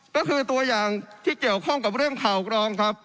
ก็คือตัวอย่างที่เกี่ยวข้องกับเรื่องข่าวกรองครับ